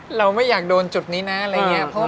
เราไม่อยากโดนจุดนี้นะอะไรอย่างนี้